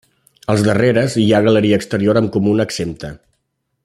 Als darreres hi ha galeria exterior amb comuna exempta.